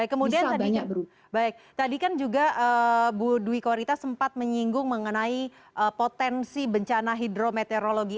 kemudian tadi kan bu dwi kaurita sempat menyinggung mengenai potensi bencana hidrometeorologi